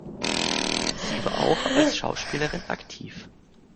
Sie war auch als Schauspielerin aktiv.